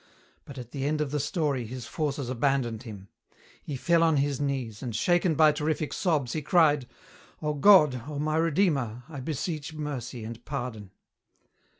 But at the end of the story his forces abandoned him. He fell on his knees and, shaken by terrific sobs, he cried, "O God, O my Redeemer, I beseech mercy and pardon!"